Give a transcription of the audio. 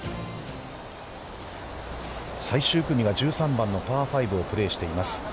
最終組が１３番のパー５をプレーしています。